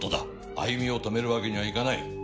歩みを止めるわけにはいかない。